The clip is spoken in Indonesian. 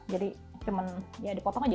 jadi cuman ya dipotong aja